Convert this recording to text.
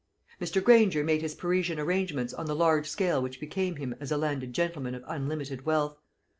Mr. Granger made his Parisian arrangements on the large scale which became him as a landed gentleman of unlimited wealth.